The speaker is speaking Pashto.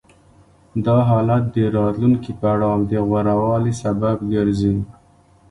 دا حالت د راتلونکي پړاو د غوره والي سبب ګرځي